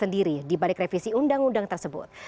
yang terakhir di balik revisi undang undang tersebut